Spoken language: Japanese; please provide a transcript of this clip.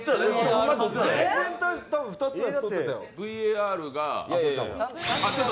ＶＡＲが。